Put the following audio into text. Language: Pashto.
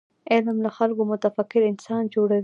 علم له خلکو متفکر انسانان جوړوي.